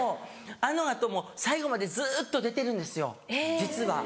あの後も最後までずっと出てるんですよ実は。